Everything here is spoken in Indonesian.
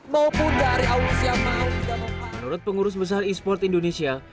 menurut pengurus besar e sport indonesia